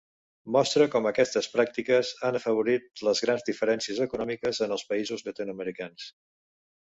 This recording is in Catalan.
Mostra com aquestes pràctiques han afavorit les grans diferències econòmiques en els països llatinoamericans.